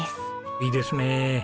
いいですね。